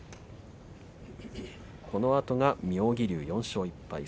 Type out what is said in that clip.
このあとが妙義龍４勝１敗